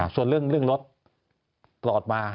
ส่วนเรื่องรถปลอดมา